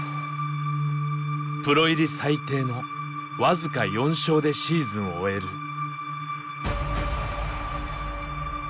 プロ入り最低の僅か４勝でシーズンを終える。